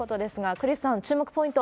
クリスさん、注目ポイント